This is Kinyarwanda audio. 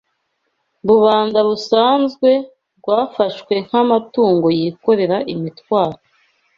Rubanda rusanzwe rwafashwe nk’amatungo yikorera imitwaro